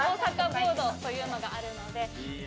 ボードというのがあるので。